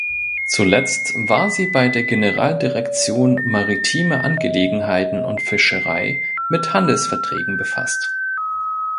Zuletzt war sie bei der Generaldirektion Maritime Angelegenheiten und Fischerei mit Handelsverträgen befasst.